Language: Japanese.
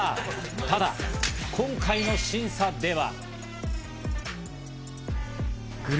ただ今回の審査では。